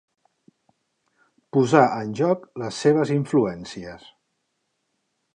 Posar en joc les seves influències.